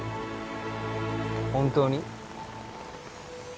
本当に？